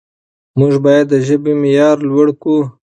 موږ باید د ژبې معیار لوړ کړو.